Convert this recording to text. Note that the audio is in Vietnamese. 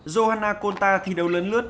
johanna conta thi đấu lớn lướt